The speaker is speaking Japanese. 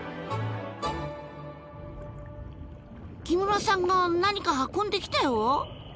木村さんが何か運んできたよ。